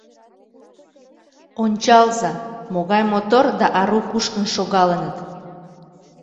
Ончалза, могай мотор да ару кушкын шогалыныт.